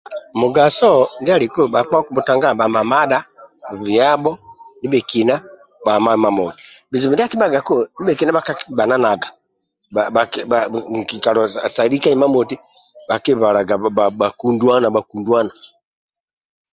Mugaso ndia aliku bhakpa okubhutangiaga bhamamadha biabho ndibhekeni bhama mamoti bizibu ndia akibhagaku ndibhekina bhakakigbananga kikalo sa lika imamoti bhakibalaga bhakunduana bhakunduana